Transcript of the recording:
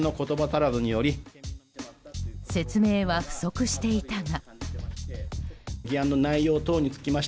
説明は不足していたが。